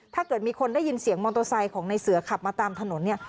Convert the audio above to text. ถ้าเกิดมีคนได้ยินเสียงมอเตอร์ไซค์ของในเสือขับมาตามถนนเนี่ย